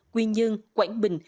quy nhơn quảng bình